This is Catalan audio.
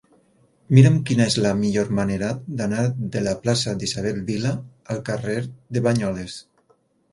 Mira'm quina és la millor manera d'anar de la plaça d'Isabel Vila al carrer de Banyoles.